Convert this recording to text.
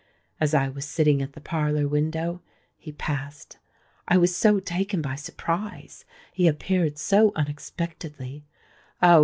As I was sitting at the parlour window, he passed. I was so taken by surprise—he appeared so unexpectedly,—ah!